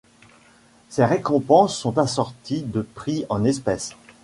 Ces récompenses sont assorties de prix en espèces.